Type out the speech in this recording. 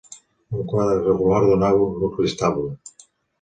Un quadre regular donava un nucli estable.